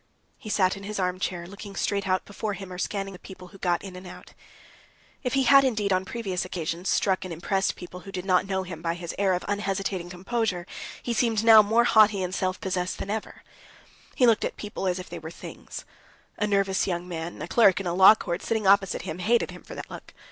He sat in his armchair, looking straight before him or scanning the people who got in and out. If he had indeed on previous occasions struck and impressed people who did not know him by his air of unhesitating composure, he seemed now more haughty and self possessed than ever. He looked at people as if they were things. A nervous young man, a clerk in a law court, sitting opposite him, hated him for that look.